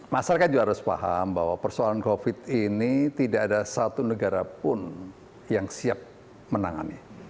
masyarakat juga harus paham bahwa persoalan covid ini tidak ada satu negara pun yang siap menangani